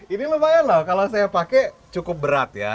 ini lumayan loh kalau saya pakai cukup berat ya